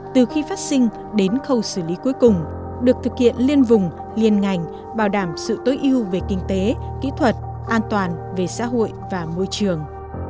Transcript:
từ khi phát sinh đến khâu xử lý cuối cùng được thực hiện liên vùng liên ngành bảo đảm sự tối ưu về kinh tế kỹ thuật an toàn về xã hội và môi trường